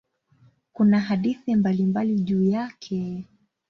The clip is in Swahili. Kuna hadithi mbalimbali juu yake.